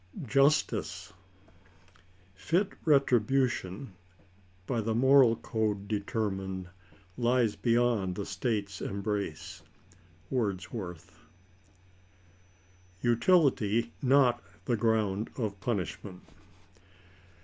JUSTICE. '* Fit retribution, by the moral code DcterminecT, lies beyond the State's embrace." Wordsworth. "UTILITY NOT THE GROUND OF PUNISHMENT."